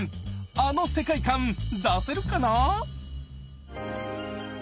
あの世界観出せるかな？